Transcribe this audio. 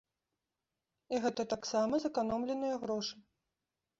І гэта таксама зэканомленыя грошы.